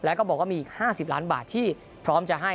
แล้วก็บอกว่ามีอีก๕๐ล้านบาทที่พร้อมจะให้